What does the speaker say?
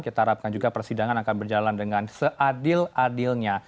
kita harapkan juga persidangan akan berjalan dengan seadil adilnya